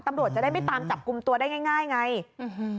ตำรวจจะได้ไม่ตามจับกลุ่มตัวได้ง่ายง่ายไงอื้อหือ